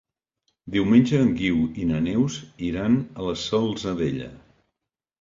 Diumenge en Guiu i na Neus iran a la Salzadella.